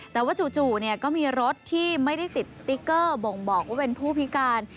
แต่ว่าจู่ก็มีรถที่ไม่ได้ติดสติ๊กเกอร์บ่งบอกว่าเป็นผู้พิการ